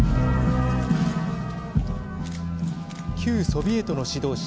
旧ソビエトの指導者